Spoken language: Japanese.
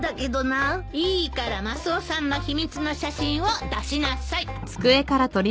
いいからマスオさんの秘密の写真を出しなさい。